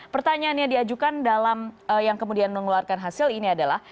pertanyaannya diajukan dalam yang kemudian mengeluarkan hasil ini adalah